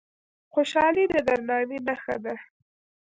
خوشالي د درناوي نښه ده.